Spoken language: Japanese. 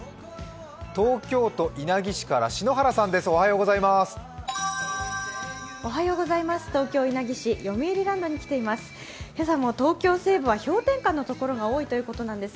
東京都稲城市から篠原さんです。